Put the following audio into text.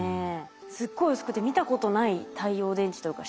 すっごい薄くて見たことない太陽電池というか。